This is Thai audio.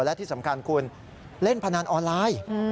และที่สำคัญคุณเล่นพนันออนไลน์